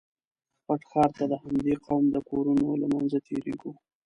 پټ ښار ته د همدې قوم د کورونو له منځه تېرېږو.